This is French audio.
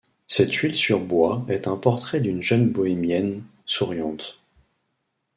Cette huile sur bois est un portrait d'une jeune Bohémienne souriante.